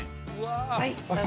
はいどうぞ。